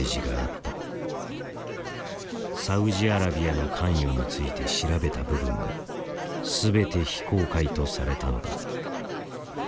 サウジアラビアの関与について調べた部分が全て非公開とされたのだ。